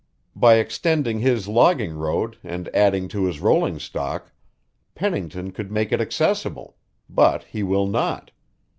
By extending his logging road and adding to his rolling stock, Pennington could make it accessible, but he will not.